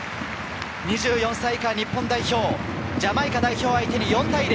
２４歳以下日本代表、ジャマイカ代表を相手に４対０。